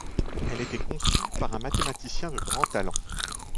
Elle était conçue par un mathématicien de grand talent.